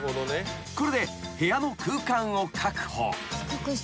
［これで部屋の空間を確保］